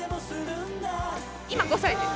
今、５歳です。